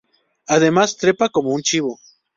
Además, trepa como un Chivo.